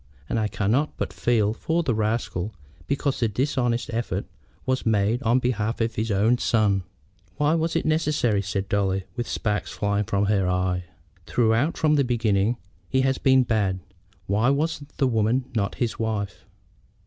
And I cannot but feel for the rascal because the dishonest effort was made on behalf of his own son." "Why was it necessary?" said Dolly, with sparks flying from her eye. "Throughout from the beginning he has been bad. Why was the woman not his wife?"